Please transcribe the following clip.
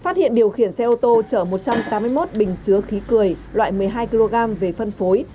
phát hiện điều khiển xe ô tô chở một trăm tám mươi một bình chứa khí cười loại một mươi hai kg về phân phối